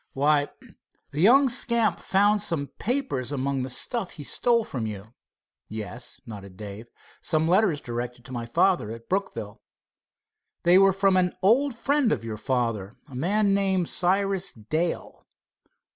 "Why, the young scamp found some papers among the stuff he stole from you." "Yes," nodded Dave, "some letters directed to my father at Brookville." "They were from an old friend of your father, a man named Cyrus Dale."